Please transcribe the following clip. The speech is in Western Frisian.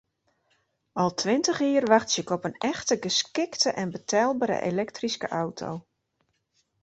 Al tweintich jier wachtsje ik op in echt geskikte en betelbere elektryske auto.